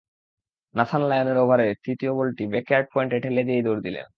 Nathan লায়নের ওভারের তৃতীয় বলটি ব্যাকওয়ার্ড পয়েন্টে ঠেলে দিয়েই দৌড় দিলেন।